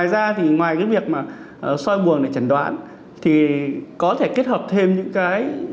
vì vậy mà soi bùn này chẩn đoán thì có thể kết hợp thêm những cái